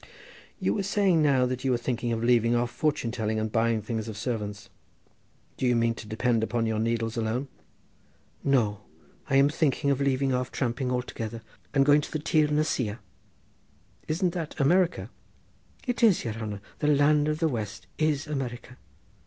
"You were saying now that you were thinking of leaving off fortune telling and buying things of servants. Do you mean to depend upon your needles alone?" "No; I am thinking of leaving off tramping altogether and going to the Tir na Siar." "Isn't that America?" "It is, yere hanner; the land of the west is America."